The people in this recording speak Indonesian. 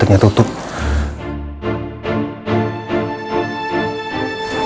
gak ada yang ditutup